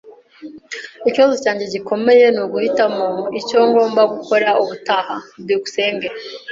Ikibazo cyanjye gikomeye ni uguhitamo icyo ngomba gukora ubutaha. byukusenge